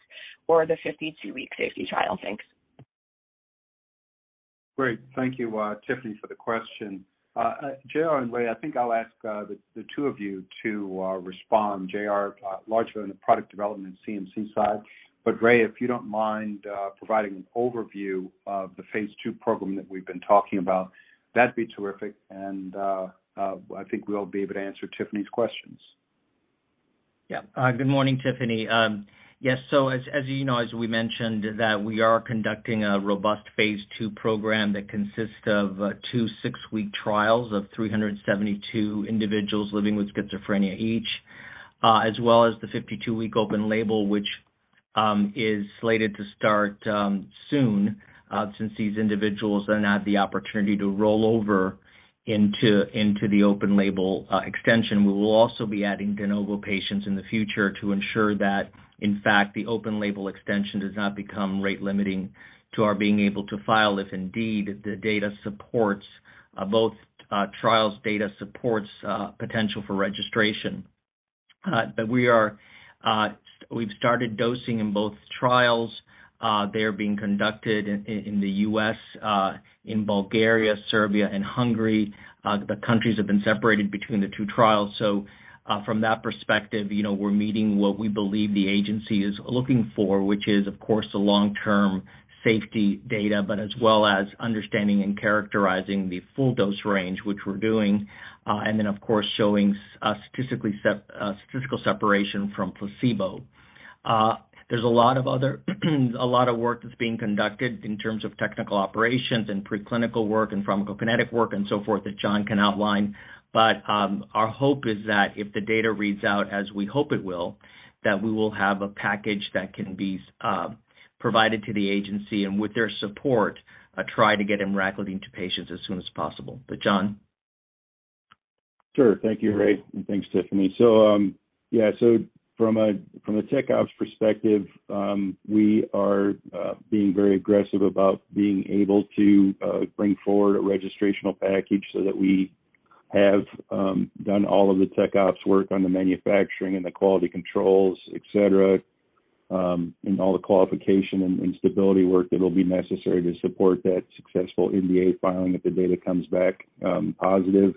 or the 52-week safety trial? Thanks. Great. Thank you, Tiffany, for the question. J.R. and Ray, I think I'll ask the two of you to respond. J.R., lead on the product development CMC side. But Ray, if you don't mind, providing an overview of the phase 2 program that we've been talking about, that'd be terrific. I think we'll be able to answer Tiffany's questions. Yeah. Good morning, Tiffany. Yes. As you know, as we mentioned, we are conducting a robust phase 2 program that consists of two six-week trials of 372 individuals living with schizophrenia each, as well as the 52-week open-label, which is slated to start soon, since these individuals then have the opportunity to roll over into the open-label extension. We will also be adding de novo patients in the future to ensure that, in fact, the open-label extension does not become rate-limiting to our being able to file if indeed the data supports both trials' potential for registration. We've started dosing in both trials. They are being conducted in the U.S., in Bulgaria, Serbia and Hungary. The countries have been separated between the two trials. From that perspective, you know, we're meeting what we believe the agency is looking for, which is, of course, the long-term safety data, but as well as understanding and characterizing the full dose range, which we're doing. Then of course, showing statistical separation from placebo. There's a lot of other work that's being conducted in terms of technical operations and preclinical work and pharmacokinetic work and so forth that John can outline. Our hope is that if the data reads out as we hope it will, that we will have a package that can be provided to the agency and with their support, try to get emraclidine to patients as soon as possible. But John. Sure. Thank you, Ray. Thanks, Tiffany. From a tech ops perspective, we are being very aggressive about being able to bring forward a registrational package so that we have done all of the tech ops work on the manufacturing and the quality controls, et cetera, and all the qualification and stability work that will be necessary to support that successful NDA filing if the data comes back positive.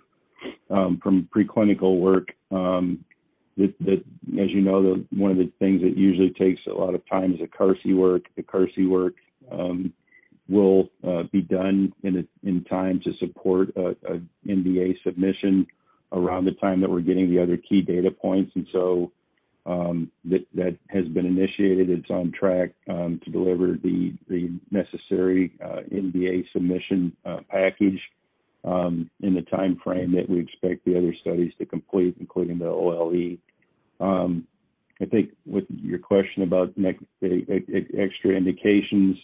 From preclinical work, as you know, one of the things that usually takes a lot of time is the CMC work. The CMC work will be done in time to support a NDA submission around the time that we're getting the other key data points. That has been initiated. It's on track to deliver the necessary NDA submission package in the timeframe that we expect the other studies to complete, including the OLE. I think with your question about extra indications,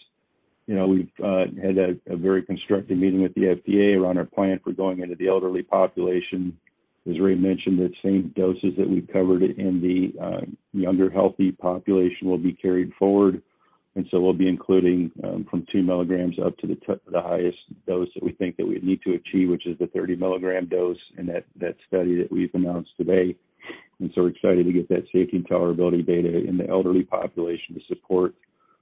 you know, we've had a very constructive meeting with the FDA around our plan for going into the elderly population. As Ray mentioned, the same doses that we've covered in the younger, healthy population will be carried forward, and so we'll be including from two milligrams up to the highest dose that we think that we need to achieve, which is the 30-milligram dose in that study that we've announced today. We're excited to get that safety and tolerability data in the elderly population to support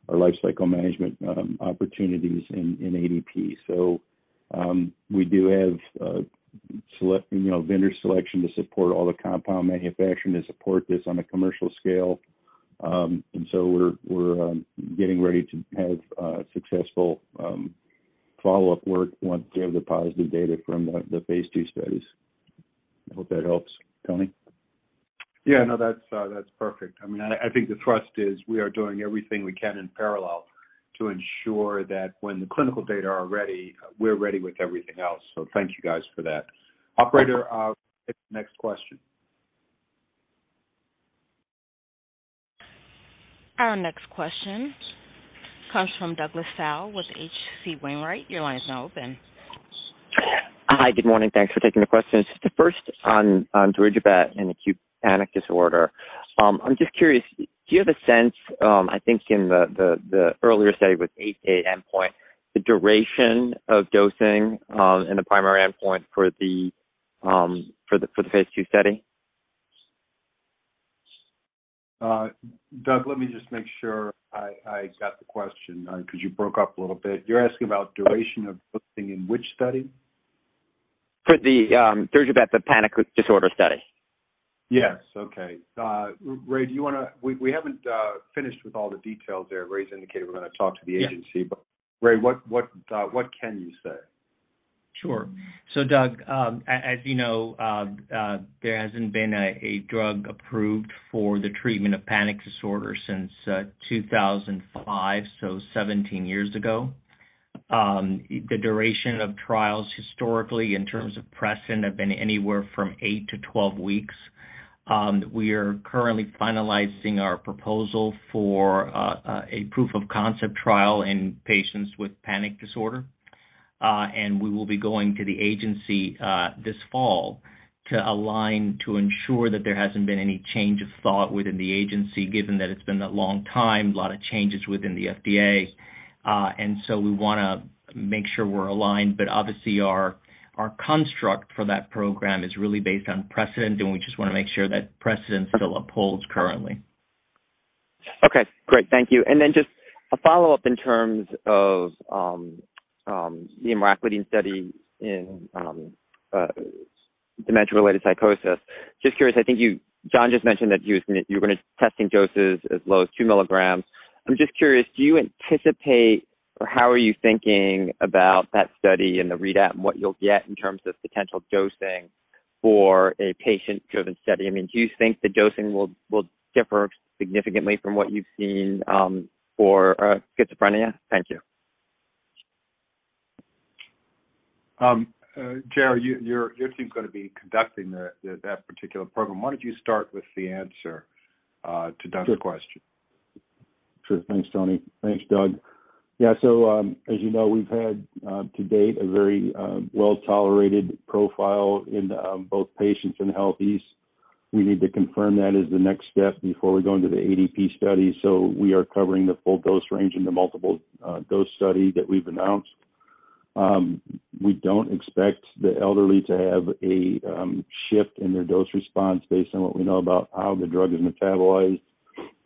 our lifecycle management opportunities in ADP. We do have, you know, vendor selection to support all the compound manufacturing to support this on a commercial scale. We're getting ready to have successful follow-up work once we have the positive data from the phase two studies. I hope that helps, Tony. Yeah, no, that's perfect. I mean, I think the thrust is we are doing everything we can in parallel to ensure that when the clinical data are ready, we're ready with everything else. Thank you guys for that. Operator, next question. Our next question comes from Douglas Tsao with H.C. Wainwright. Your line is now open. Hi, good morning. Thanks for taking the questions. The first on darigabat in acute panic disorder. I'm just curious, do you have a sense, I think in the earlier study with eight-day endpoint, the duration of dosing, and the primary endpoint for the phase 2 study? Doug, let me just make sure I got the question, 'cause you broke up a little bit. You're asking about duration of dosing in which study? For the darigabat, the panic disorder study. Yes. Okay. Ray, do you wanna we haven't finished with all the details there. Ray's indicated we're gonna talk to the agency. Yeah. Ray, what can you say? Sure. Doug, as you know, there hasn't been a drug approved for the treatment of panic disorder since 2005, so 17 years ago. The duration of trials historically in terms of precedent have been anywhere from eight to 12 weeks. We are currently finalizing our proposal for a proof of concept trial in patients with panic disorder. We will be going to the agency this fall to align to ensure that there hasn't been any change of thought within the agency given that it's been a long time, a lot of changes within the FDA. We wanna make sure we're aligned, but obviously our construct for that program is really based on precedent, and we just wanna make sure that precedent still upholds currently. Okay. Great. Thank you. Just a follow-up in terms of the emraclidine study in dementia-related psychosis. Just curious, I think you, John just mentioned that you were going to test doses as low as two milligrams. I'm just curious, do you anticipate, or how are you thinking about that study and the readout and what you'll get in terms of potential dosing for a patient-driven study? I mean, do you think the dosing will differ significantly from what you've seen for schizophrenia? Thank you. J.R., your team's gonna be conducting that particular program. Why don't you start with the answer to Doug's question? Sure. Thanks, Tony. Thanks, Doug. Yeah, so, as you know, we've had, to date a very, well-tolerated profile in, both patients and healthies. We need to confirm that as the next step before we go into the ADP study, so we are covering the full dose range in the multiple, dose study that we've announced. We don't expect the elderly to have a, shift in their dose response based on what we know about how the drug is metabolized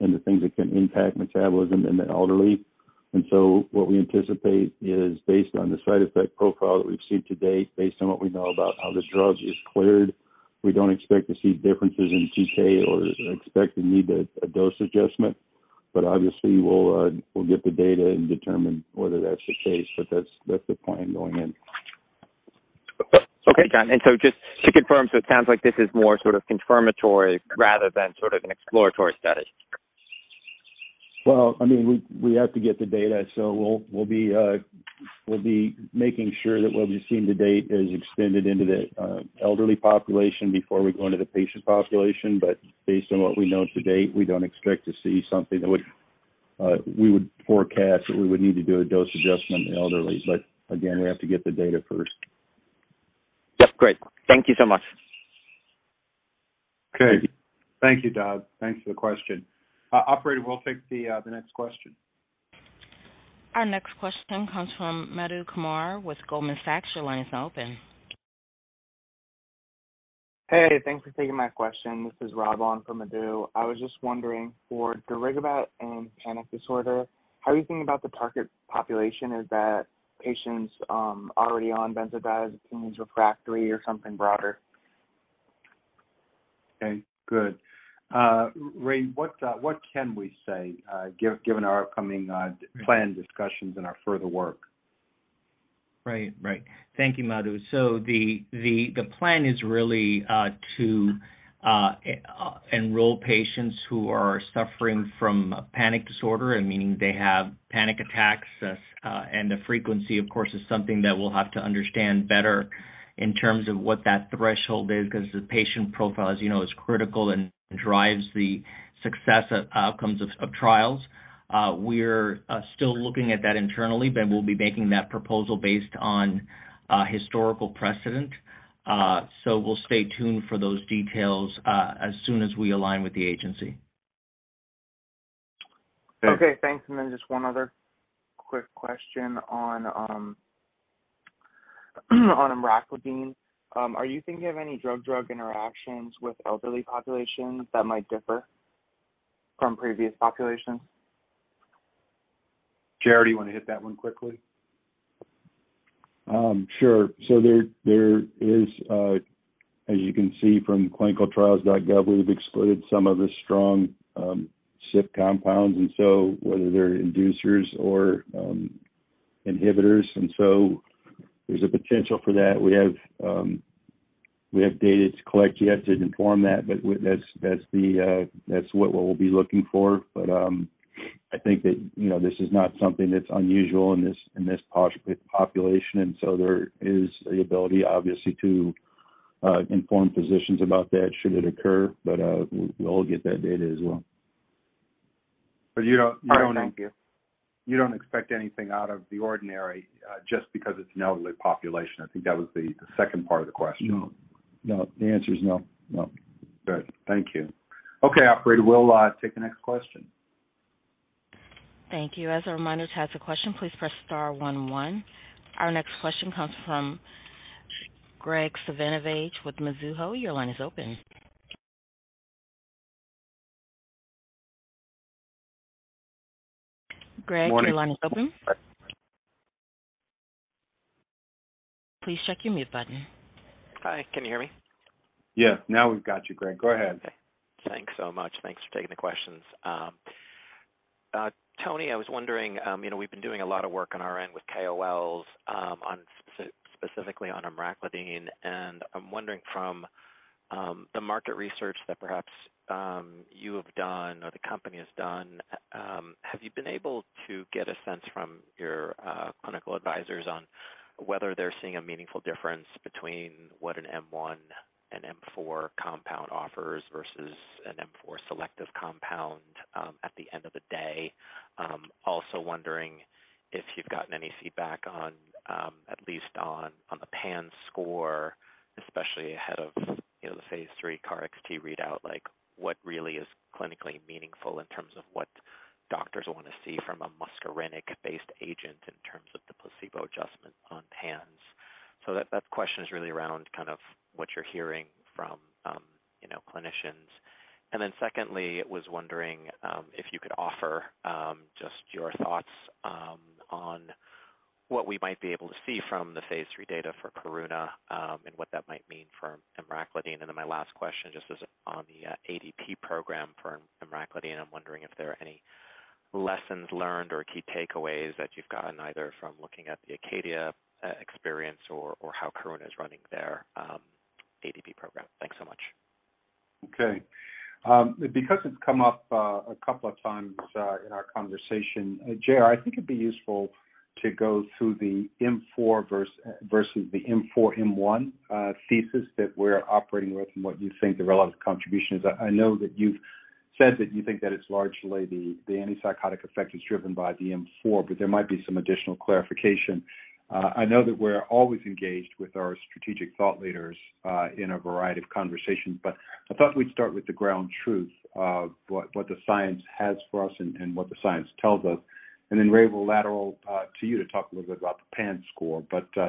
and the things that can impact metabolism in the elderly. What we anticipate is based on the side effect profile that we've seen to date, based on what we know about how this drug is cleared, we don't expect to see differences in PK or expect to need a dose adjustment. Obviously, we'll get the data and determine whether that's the case, but that's the plan going in. Okay. Just to confirm, so it sounds like this is more sort of confirmatory rather than sort of an exploratory study. Well, I mean, we have to get the data, so we'll be making sure that what we've seen to date is extended into the elderly population before we go into the patient population. Based on what we know to date, we don't expect to see something we would forecast that we would need to do a dose adjustment in the elderly. Again, we have to get the data first. That's great. Thank you so much. Okay. Thank you, Doug. Thanks for the question. Operator, we'll take the next question. Our next question comes from Madhu Kumar with Goldman Sachs. Your line is open. Hey, thanks for taking my question. This is Rob on for Madhu. I was just wondering, for darigabat and panic disorder, how are you thinking about the target population? Is that patients already on benzodiazepines refractory or something broader? Okay, good. Ray, what can we say, given our upcoming plan discussions and our further work? Right. Thank you, Madhu. The plan is really to enroll patients who are suffering from panic disorder, and meaning they have panic attacks. The frequency, of course, is something that we'll have to understand better in terms of what that threshold is because the patient profile, as you know, is critical and drives the success outcomes of trials. We're still looking at that internally, but we'll be making that proposal based on historical precedent. We'll stay tuned for those details as soon as we align with the agency. Okay, thanks. Just one other quick question on emraclidine. Are you thinking of any drug-drug interactions with elderly populations that might differ from previous populations? J.R., you wanna hit that one quickly? Sure. There is, as you can see from ClinicalTrials.gov, we've excluded some of the strong CYP compounds, whether they're inducers or inhibitors. There's a potential for that. We have data to collect yet to inform that, but that's what we'll be looking for. I think that, you know, this is not something that's unusual in this population. There is the ability, obviously, to inform physicians about that should it occur. We'll get that data as well. You don't. All right. Thank you. You don't expect anything out of the ordinary, just because it's an elderly population. I think that was the second part of the question. No. The answer is no. Good. Thank you. Okay, operator. We'll take the next question. Thank you. As a reminder, to ask a question, please press star one one. Our next question comes from Graig Suvannavejh with Mizuho. Your line is open. Graig- Morning. Your line is open. Please check your mute button. Hi, can you hear me? Yes. Now we've got you, Graig. Go ahead. Thanks so much. Thanks for taking the questions. Tony, I was wondering, you know, we've been doing a lot of work on our end with KOLs, specifically on emraclidine. I'm wondering from the market research that perhaps you have done or the company has done, have you been able to get a sense from your clinical advisors on whether they're seeing a meaningful difference between what an M1 and M4 compound offers versus an M4 selective compound, at the end of the day? Also wondering if you've gotten any feedback on, at least on the PANSS score, especially ahead of, you know, the phase 3 KarXT readout, like what really is clinically meaningful in terms of what doctors wanna see from a muscarinic-based agent in terms of the placebo adjustment on PANSS. That question is really around kind of what you're hearing from, you know, clinicians. Secondly, was wondering if you could offer just your thoughts on what we might be able to see from the phase 3 data for Karuna, and what that might mean for emraclidine. My last question just was on the ADP program for emraclidine. I'm wondering if there are any lessons learned or key takeaways that you've gotten either from looking at the Acadia experience or how Karuna is running their ADP program. Thanks so much. Okay. Because it's come up a couple of times in our conversation, J.R., I think it'd be useful to go through the M4 versus the M4, M1 thesis that we're operating with and what you think the relevant contribution is. I know that you've said that you think that it's largely the antipsychotic effect is driven by the M4, but there might be some additional clarification. I know that we're always engaged with our strategic thought leaders in a variety of conversations, but I thought we'd start with the ground truth of what the science has for us and what the science tells us. Then, Ray, we'll turn to you to talk a little bit about the PANSS score.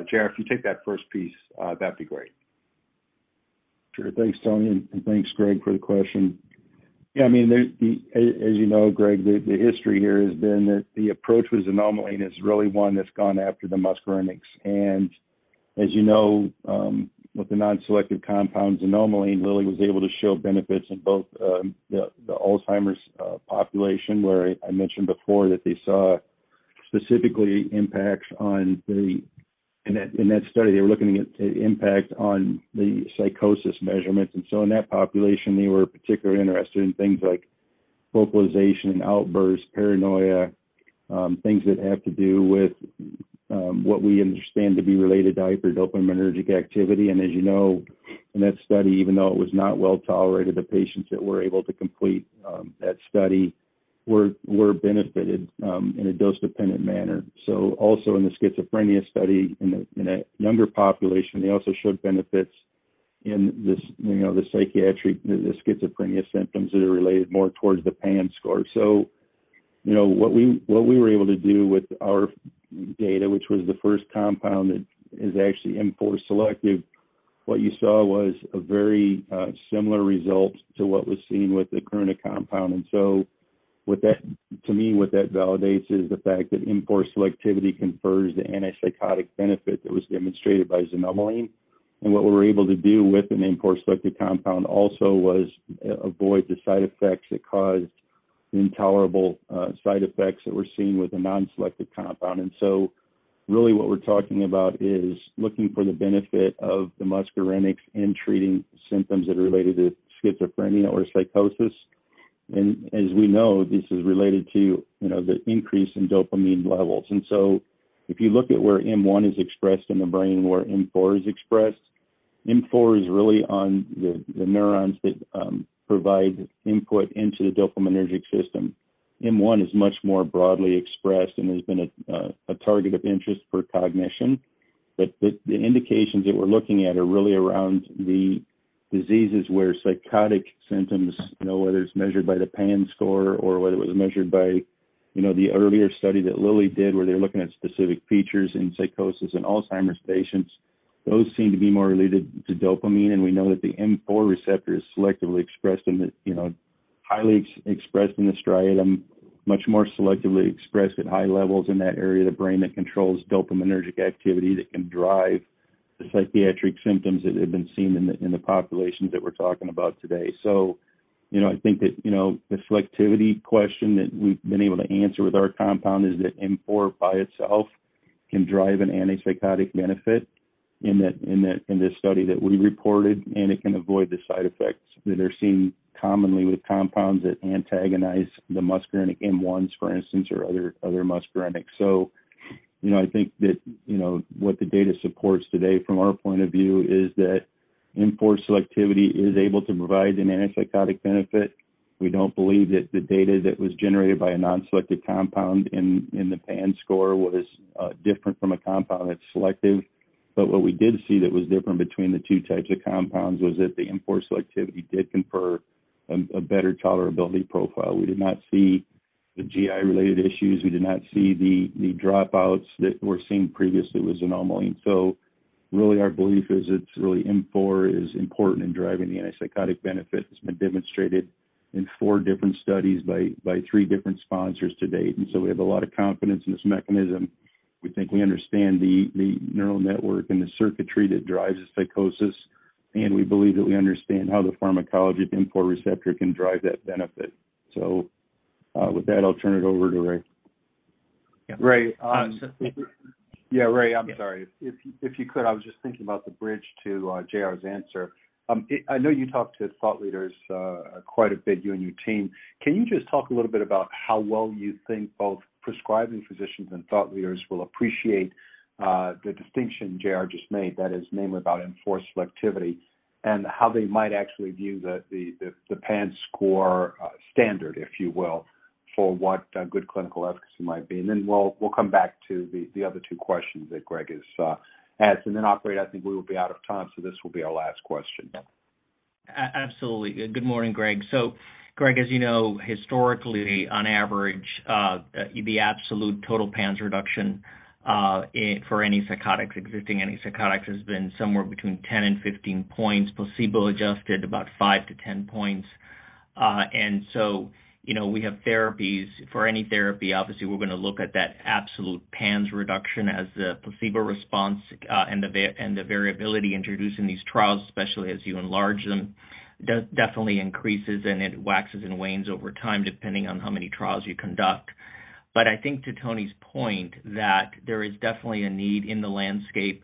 J.R., if you take that first piece, that'd be great. Sure. Thanks, Tony, and thanks, Graig, for the question. Yeah, I mean, as you know, Graig, the history here has been that the approach with xanomeline is really one that's gone after the muscarinics. As you know, with the non-selective compounds, xanomeline, Lilly was able to show benefits in both the Alzheimer's population, where I mentioned before that they saw specifically impacts on the. In that study, they were looking at impact on the psychosis measurements. In that population, they were particularly interested in things like vocalization and outburst, paranoia, things that have to do with what we understand to be related to hyper-dopaminergic activity. As you know, in that study, even though it was not well tolerated, the patients that were able to complete that study were benefited in a dose-dependent manner. Also in the schizophrenia study in a younger population, they also showed benefits in this, you know, the psychiatric, the schizophrenia symptoms that are related more towards the PANSS score. You know, what we were able to do with our data, which was the first compound that is actually M4 selective, what you saw was a very similar result to what was seen with the current compound. What that to me, what that validates is the fact that M4 selectivity confers the antipsychotic benefit that was demonstrated by xanomeline. What we were able to do with an M4 selective compound also was avoid the side effects that caused intolerable side effects that were seen with a non-selective compound. Really what we're talking about is looking for the benefit of the muscarinic in treating symptoms that are related to schizophrenia or psychosis. As we know, this is related to, you know, the increase in dopamine levels. If you look at where M1 is expressed in the brain, where M4 is expressed, M4 is really on the neurons that provide input into the dopaminergic system. M1 is much more broadly expressed and has been a target of interest for cognition. The indications that we're looking at are really around the diseases where psychotic symptoms, you know, whether it's measured by the PANSS score or whether it was measured by, you know, the earlier study that Lilly did where they were looking at specific features in psychosis in Alzheimer's patients, those seem to be more related to dopamine, and we know that the M4 receptor is selectively expressed in the, you know, highly expressed in the striatum, much more selectively expressed at high levels in that area of the brain that controls dopaminergic activity that can drive the psychiatric symptoms that have been seen in the populations that we're talking about today. You know, I think that the selectivity question that we've been able to answer with our compound is that M4 by itself can drive an antipsychotic benefit in the study that we reported, and it can avoid the side effects that are seen commonly with compounds that antagonize the muscarinic M1s, for instance, or other muscarinic. You know, I think that what the data supports today from our point of view is that M4 selectivity is able to provide an antipsychotic benefit. We don't believe that the data that was generated by a non-selective compound in the PANSS score was different from a compound that's selective. But what we did see that was different between the two types of compounds was that the M4 selectivity did confer a better tolerability profile. We did not see the GI-related issues. We did not see the dropouts that were seen previously with xanomeline. Really our belief is it's really M4 is important in driving the antipsychotic benefit. It's been demonstrated in four different studies by three different sponsors to date. We have a lot of confidence in this mechanism. We think we understand the neural network and the circuitry that drives psychosis, and we believe that we understand how the pharmacology of M4 receptor can drive that benefit. With that, I'll turn it over to Ray. Yeah. Ray, yeah, Ray, I'm sorry. If you could, I was just thinking about the bridge to J.R.'s answer. I know you talk to thought leaders quite a bit, you and your team. Can you just talk a little bit about how well you think both prescribing physicians and thought leaders will appreciate the distinction J.R. just made, that is mainly about M4 selectivity, and how they might actually view the PANSS score standard, if you will, for what a good clinical efficacy might be? Then we'll come back to the other two questions that Graig has asked. Then operator, I think we will be out of time, so this will be our last question. Absolutely. Good morning, Graig. Graig, as you know, historically, on average, the absolute total PANSS reduction for any psychotics, existing antipsychotics, has been somewhere between 10 and 15 points, placebo adjusted about 5-10 points. You know, we have therapies. For any therapy, obviously, we're gonna look at that absolute PANSS reduction as the placebo response, and the variability introduced in these trials, especially as you enlarge them, definitely increases, and it waxes and wanes over time, depending on how many trials you conduct. I think to Tony's point, that there is definitely a need in the landscape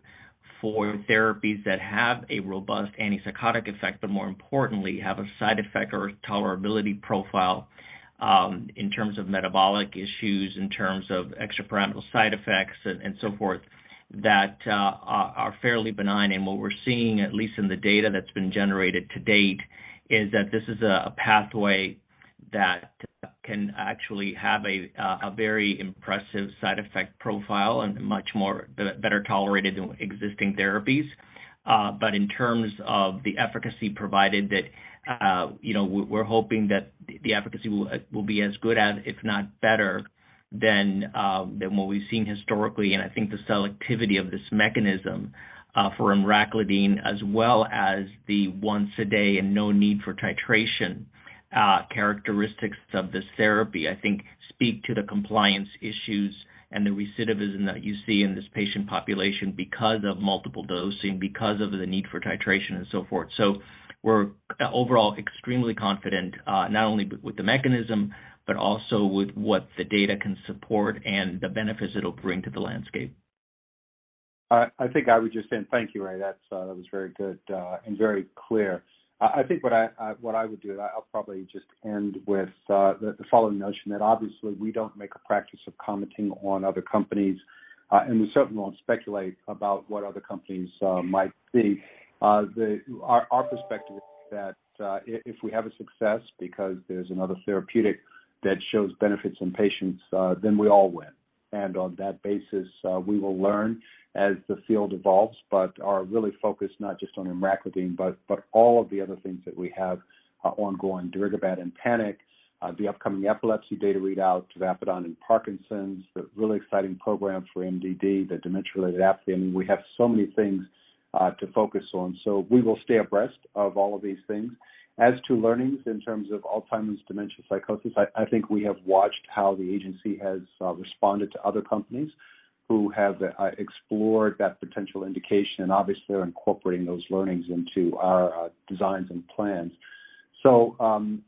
for therapies that have a robust antipsychotic effect, but more importantly, have a side effect or tolerability profile, in terms of metabolic issues, in terms of extrapyramidal side effects and so forth, that are fairly benign. What we're seeing, at least in the data that's been generated to date, is that this is a pathway that can actually have a very impressive side effect profile and much more better tolerated than existing therapies. But in terms of the efficacy provided that, you know, we're hoping that the efficacy will be as good as, if not better than, what we've seen historically. I think the selectivity of this mechanism for emraclidine as well as the once a day and no need for titration characteristics of this therapy, I think speak to the compliance issues and the recidivism that you see in this patient population because of multiple dosing, because of the need for titration and so forth. We're overall extremely confident not only with the mechanism, but also with what the data can support and the benefits it'll bring to the landscape. I think I would just end. Thank you, Ray. That was very good and very clear. I think what I would do, I'll probably just end with the following notion that obviously we don't make a practice of commenting on other companies. We certainly won't speculate about what other companies might be. Our perspective is that if we have a success because there's another therapeutic that shows benefits in patients, then we all win. On that basis, we will learn as the field evolves, but are really focused not just on emraclidine, but all of the other things that we have ongoing. darigabat in panic, the upcoming epilepsy data readout, tavapadon in Parkinson's, the really exciting program for MDD, the dementia-related apathy. We have so many things to focus on. We will stay abreast of all of these things. As to learnings in terms of Alzheimer's, dementia, psychosis, I think we have watched how the agency has responded to other companies who have explored that potential indication. Obviously, we're incorporating those learnings into our designs and plans.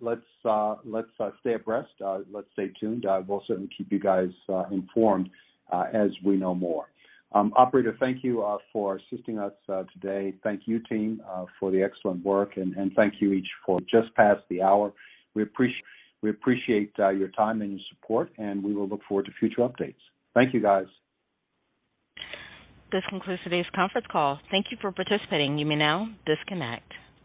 Let's stay abreast. Let's stay tuned. We'll certainly keep you guys informed as we know more. Operator, thank you for assisting us today. Thank you team for the excellent work, and thank you each for just past the hour. We appreciate your time and your support, and we will look forward to future updates. Thank you, guys. This concludes today's conference call. Thank you for participating. You may now disconnect.